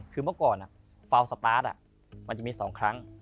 คือเมื่อก่อนฟาวสตาร์ทมันจะมี๒ครั้ง